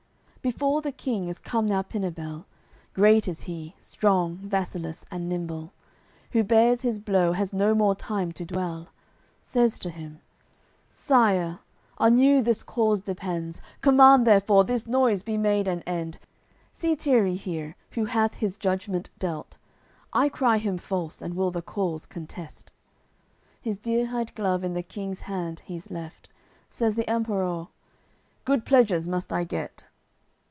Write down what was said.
CCLXXVIII Before the King is come now Pinabel; Great is he, strong, vassalous and nimble; Who bears his blow has no more time to dwell: Says to him: "Sire, on you this cause depends; Command therefore this noise be made an end. See Tierri here, who hath his judgment dealt; I cry him false, and will the cause contest." His deer hide glove in the King's hand he's left. Says the Emperour: "Good pledges must I get."